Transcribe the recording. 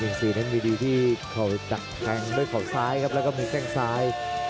อันที่๔นั้นมีดีที่เขาจัดทางด้วยข่าวซ้ายครับแล้วก็มีแก้งซ้าย